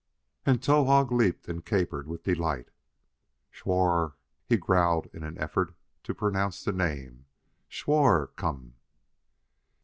And Towahg leaped and capered with delight. "Szhwarr!" he growled in an effort to pronounce the name; "Szhwarr come!"